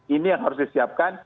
jadi ini yang harus disiapkan